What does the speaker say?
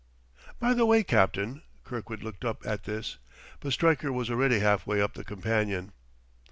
"By the way, Captain!" Kirkwood looked up at this, but Stryker was already half way up the companion.